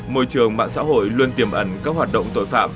môi trường mạng xã hội luôn tiềm ẩn các hoạt động tội phạm